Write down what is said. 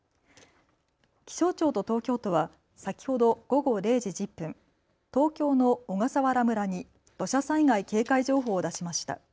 気象庁と東京都は先ほど午後０時１０分、東京の小笠原村に土砂災害警戒情報を出しました。